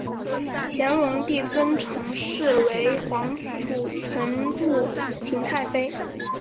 乾隆帝尊陈氏为皇祖纯裕勤太妃。